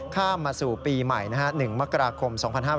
ข้ามมาสู่ปีใหม่๑มกราคม๒๕๕๙